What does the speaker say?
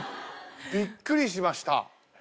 びっくりしました。